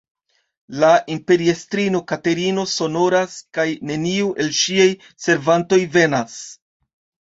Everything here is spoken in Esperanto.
La imperiestrino Katerino sonoras kaj neniu el ŝiaj servantoj venas.